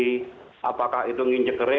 tidak jelas apakah itu ke kanan atau ke kiri